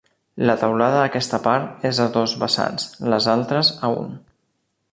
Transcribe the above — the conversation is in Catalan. La teulada d'aquesta part és a dos vessants, les altres a un.